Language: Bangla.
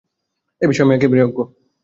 এই বিষয়ে আমি একেবারেই অজ্ঞ।